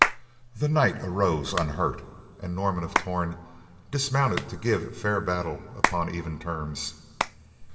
The knight arose, unhurt, and Norman of Torn dismounted to give fair battle upon even terms.